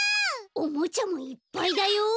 おもちゃもいっぱいだよ！